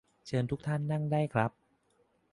เชิญทุกท่านนั่งได้ครับ